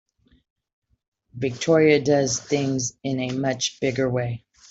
Victoria does things in a much bigger way.